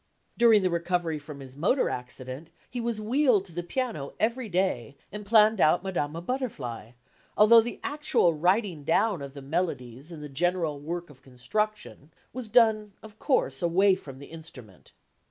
During the recovery from his motor accident he was wheeled to the piano each day and planned out Madama Butterfly, although the actual writing down of the melodies and the general work of construction was done, of course, away from the instrument.